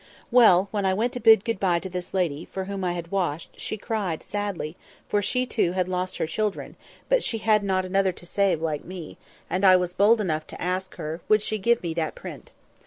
Well, when I went to bid good bye to this lady, for whom I had washed, she cried sadly; for she, too, had lost her children, but she had not another to save, like me; and I was bold enough to ask her would she give me that print.